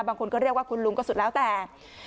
บางคนก็เรียกว่าคุณลุงก็สุดแล้วแต่